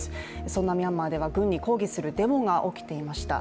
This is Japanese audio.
そんなミャンマーでは軍に抗議するデモが起きていました。